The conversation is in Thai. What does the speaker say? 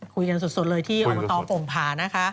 คุยกันสดเลยที่ออมตฝงภานะคะ